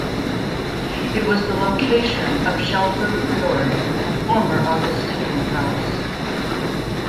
It was the location of Shelford Priory, a former Augustinian house.